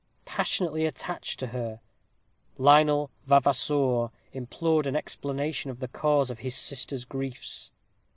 Passionately attached to her, Lionel Vavasour implored an explanation of the cause of his sister's griefs.